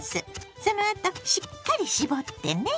そのあとしっかり絞ってね！